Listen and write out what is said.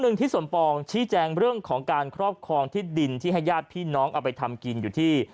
ที่สมปองชี้แจงเรื่องของการครอบครองที่ดินที่ให้ญาติพี่น้องเอาไปทำกินอยู่ที่